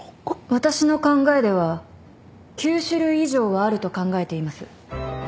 私の考えでは９種類以上はあると考えています。